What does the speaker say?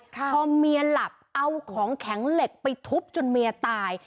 พอเมียหลับเอาของแข็งเหล็กไปทุบจนเมียตาย